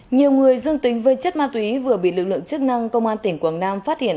nhiều người dương tính với chất ma túy vừa bị lực lượng chức năng công an tỉnh quảng nam phát hiện